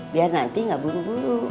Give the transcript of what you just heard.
biar nanti nggak buru buru